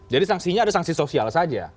jadi sanksinya ada sanksi sosial saja